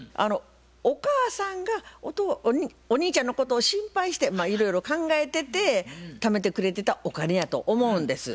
お母さんがお兄ちゃんのことを心配してまあいろいろ考えててためてくれてたお金やと思うんです。